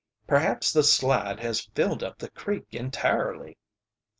Perhaps the slide has filled up the creek entirely."